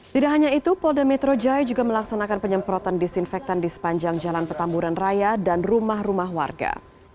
tidak hanya itu polda metro jaya juga melaksanakan penyemprotan disinfektan di sepanjang jalan petamburan raya dan rumah rumah warga